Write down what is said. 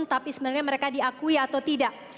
tapi sebenarnya mereka diakui atau tidak